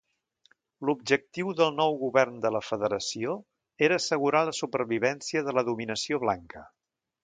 L'objectiu del nou govern de la Federació era assegurar la supervivència de la dominació blanca.